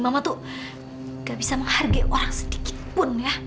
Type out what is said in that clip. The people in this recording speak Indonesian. mama tuh gak bisa menghargai orang sedikit pun ya